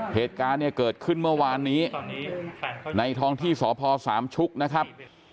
เหตุการณ์เนี่ยเกิดขึ้นเมื่อวานนี้ในท้องที่สพสามชุกนะครับ